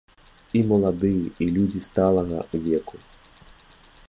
І маладыя, і людзі сталага веку.